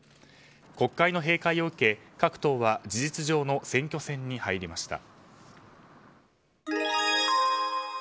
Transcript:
国会の閉会を受け各党は事実上の選挙戦に入りました。